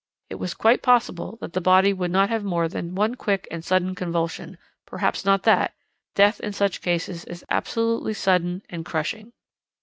It was quite possible that the body would not have more than one quick and sudden convulsion, perhaps not that; death in such cases is absolutely sudden and crushing.'